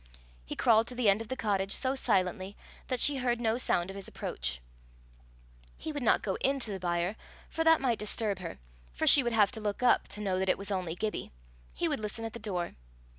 He crawled to the end of the cottage so silently that she heard no sound of his approach. He would not go into the byre, for that might disturb her, for she would have to look up to know that it was only Gibbie; he would listen at the door.